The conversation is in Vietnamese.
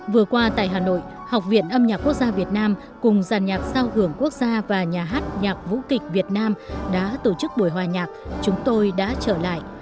vừa qua tại hà nội học viện âm nhạc quốc gia việt nam cùng giàn nhạc sao hưởng quốc gia và nhà hát nhạc vũ kịch việt nam đã tổ chức buổi hòa nhạc chúng tôi đã trở lại